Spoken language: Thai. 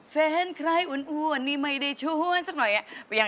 แฟนใครอ้วนนี่ไม่ได้ชวนสักหน่อย